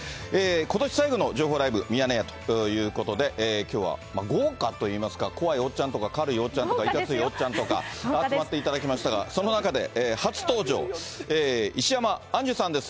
ことし最後の情報ライブミヤネ屋ということで、きょうは豪華といいますか、怖いおっちゃんとか、軽いおっちゃんとか、いかついおっちゃんとか、集まっていただきましたが、その中で、初登場、石山アンジュさんです。